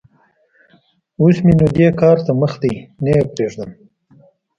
اوس م ېنو دې کار ته مخ دی؛ نه يې پرېږدم.